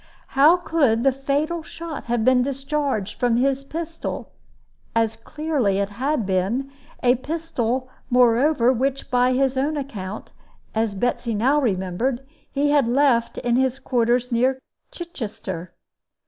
How could the fatal shot have been discharged from his pistol as clearly it had been a pistol, moreover, which, by his own account, as Betsy now remembered, he had left in his quarters near Chichester?